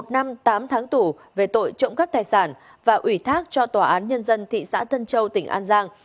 một năm tám tháng tù về tội trộm cắp tài sản và ủy thác cho tòa án nhân dân thị xã tân châu tỉnh an giang